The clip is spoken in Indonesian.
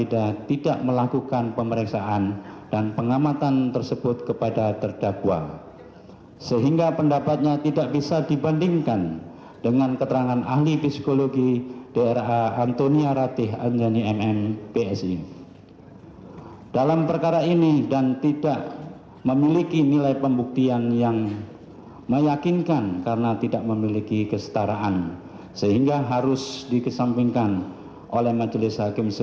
di dalam cairan lambung korban yang disebabkan oleh bahan yang korosif